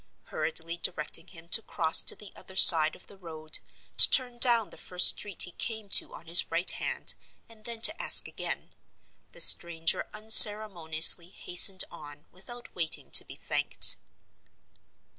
Hurriedly directing him to cross to the other side of the road, to turn down the first street he came to on his right hand, and then to ask again, the stranger unceremoniously hastened on without waiting to be thanked.